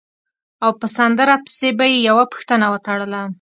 او په سندره پسې به یې یوه پوښتنه وتړله.